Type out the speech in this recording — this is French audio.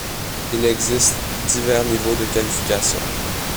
Il existe divers niveaux de qualification.